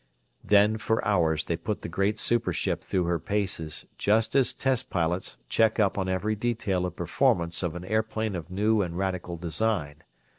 Then for hours they put the great super ship through her paces, just as test pilots check up on every detail of performance of an airplane of new and radical design.